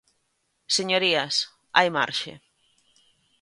Señorías, hai marxe.